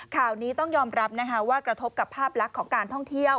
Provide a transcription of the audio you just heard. ข่าวนี้ต้องยอมรับว่ากระทบกับภาพลักษณ์ของการท่องเที่ยว